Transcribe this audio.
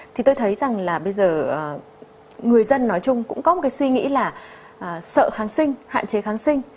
thì tôi thấy rằng là bây giờ người dân nói chung cũng có một cái suy nghĩ là sợ kháng sinh hạn chế kháng sinh